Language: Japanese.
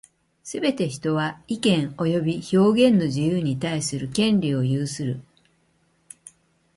すべて人は、意見及び表現の自由に対する権利を有する。